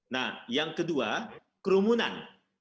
nah yang kedua kerumunan